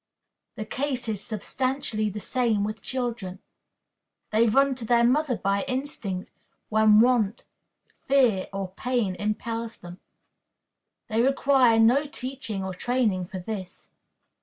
The case is substantially the same with children. They run to their mother by instinct, when want, fear, or pain impels them. They require no teaching or training for this.